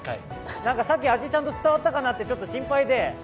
さっき、味がちゃんと伝わったかなと心配で。